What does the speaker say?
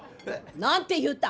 何て言うた？